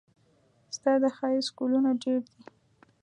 ستا د ښايست ګلونه ډېر دي.